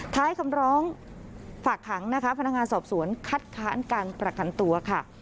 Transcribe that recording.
ท้ายคำร้องฝากขังนะคะพนักงานสอบสวนคัดค้านการประกันตัวค่ะ